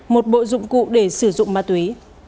một bộ dụng cụ để sử dụng ma túy